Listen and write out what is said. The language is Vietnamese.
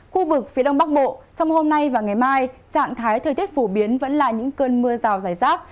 khu vực phía đông bắc bộ trong hôm nay và ngày mai trạng thái thời tiết phổ biến vẫn là những cơn mưa rào rải rác